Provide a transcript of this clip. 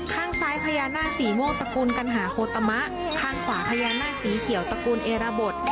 ข้างซ้ายพญานาคสีม่วงตระกูลกัณหาโฮตามะข้างขวาพญานาคสีเขียวตระกูลเอรบท